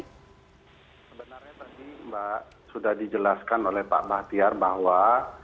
sebenarnya tadi mbak sudah dijelaskan oleh pak bahtiar bahwa